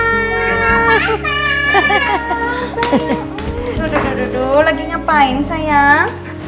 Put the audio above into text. dudu dudu dudu lagi ngapain sayang